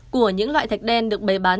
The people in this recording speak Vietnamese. của những loại thạch đen được bày bán